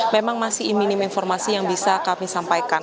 memang masih minim informasi yang bisa kami sampaikan